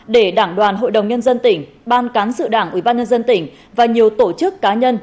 để đảng đoàn hội đồng nhân dân tỉnh ban cán sự đảng ủy ban nhân dân tỉnh và nhiều tổ chức cá nhân